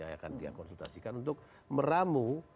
yang akan dikonsultasikan untuk meramu